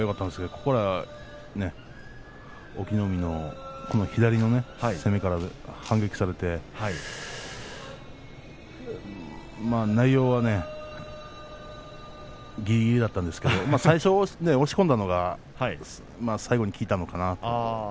途中から隠岐の海に左の攻めから反撃されて内容はぎりぎりだったんですけど最初、押し込んだのが最後に効いたのかなと思います。